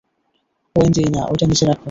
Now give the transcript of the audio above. Wendy, না, ঐটা নিচে রাখো।